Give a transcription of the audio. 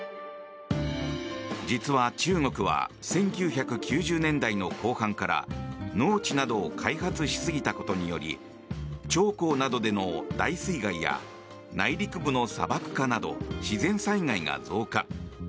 実は中国は１９９０年代の後半から農地などを開発しすぎたことにより長江などでの大水害や内陸部の砂漠化など自然災害が増加。